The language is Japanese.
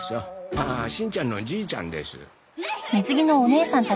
ああしんちゃんのじいちゃんです。